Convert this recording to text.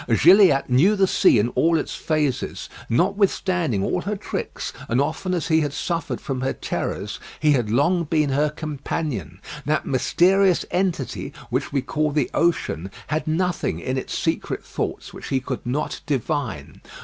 Gilliatt knew the sea in all its phases. Notwithstanding all her tricks, and often as he had suffered from her terrors, he had long been her companion. That mysterious entity which we call the ocean had nothing in its secret thoughts which he could not divine.